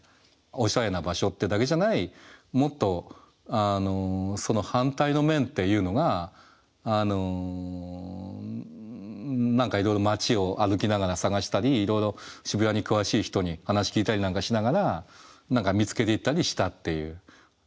おしゃれな場所ってだけじゃないもっとその反対の面っていうのが何かいろいろ街を歩きながら探したりいろいろ渋谷に詳しい人に話聞いたりなんかしながら何か見つけていったりしたっていう。